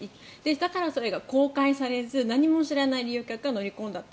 だからそれが公開されず何も知らない利用客が乗り込んだと。